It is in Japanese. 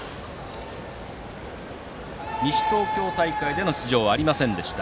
西東京大会での出場はありませんでした。